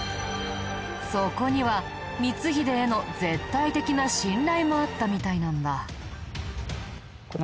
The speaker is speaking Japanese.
そこには光秀への絶対的な信頼もあったみたいなんだ。